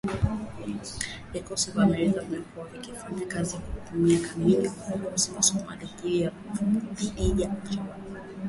Vikosi vya Marekani vimekuwa vikifanya kazi kwa miaka mingi na vikosi vya Somalia katika juhudi zao za kuwadhibiti Al-Shabaab.